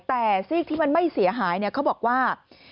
แต่ซีกที่มันไม่เสียหายเขาบอกว่า